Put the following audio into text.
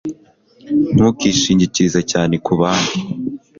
ntukishingikirize cyane kubandi